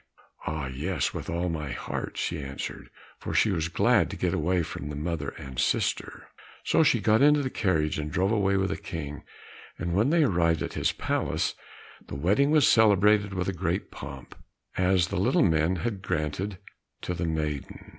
"Ah, yes, with all my heart," she answered, for she was glad to get away from the mother and sister. So she got into the carriage and drove away with the King, and when they arrived at his palace, the wedding was celebrated with great pomp, as the little men had granted to the maiden.